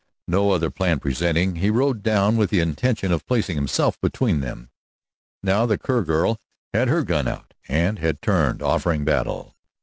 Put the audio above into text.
No other plan presenting, he rode down with the intention of placing himself between them. Now the Kerr girl had her gun out, and had turned, offering battle.